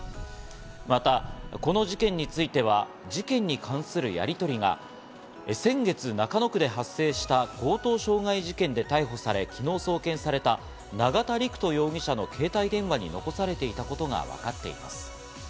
またこの事件については事件に関するやりとりが、先月、中野区で発生した強盗傷害事件で逮捕され、昨日送検された永田陸人容疑者の携帯電話に残されていたことがわかっています。